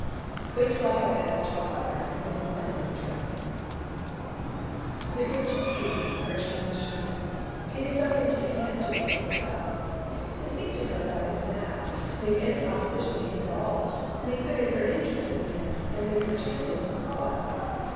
Wait till I have had a talk with her before you plan any trips." "But don't you see," urged Mrs. Sherman, "it is something too intangible to discuss. To speak to her about it now, to make any opposition to him at all, may quicken her interest in him and make her champion his cause.